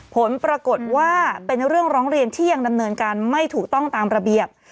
ผลปรากฏว่าเป็นเรื่องร้องเรียนที่ยังดำเนินการไม่ถูกต้องตามระเบียบ